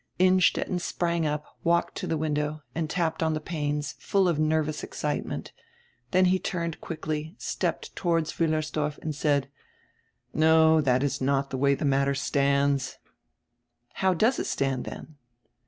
Innstetten sprang up, walked to the window, and tapped on the panes, full of nervous excitement. Then he turned quickly, stepped toward Wiillersdorf and said: "No, that is not die way die matter stands." "How does it stand then?"